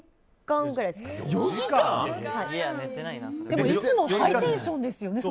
でも、いつもハイテンションですよね。